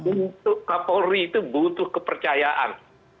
untuk kapolri itu butuh kepercayaan